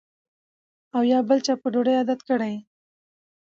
او یا بل چا په ډوډۍ عادت کړی